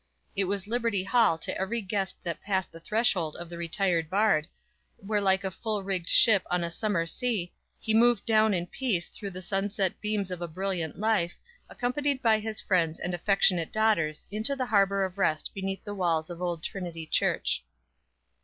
It was Liberty Hall to every guest that passed the threshold of the retired Bard, where like a full rigged ship on a summer sea, he moved down in peace, through the sunset beams of a brilliant life, accompanied by his friends and affectionate daughters into the harbor of rest beneath the walls of old Trinity Church.